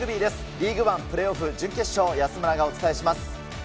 リーグワンプレーオフ準決勝、安村がお伝えします。